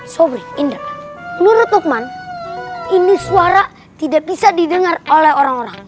sorry indra menurut lukman ini suara tidak bisa didengar oleh orang orang